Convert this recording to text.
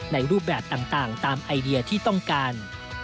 รูปแบบต่างตามไอเดียที่ต้องการ